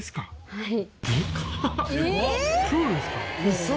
はい。